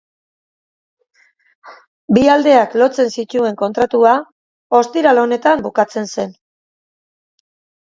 Bi aldeak lotzen zituen kontratua ostiral honetan bukatzen zen.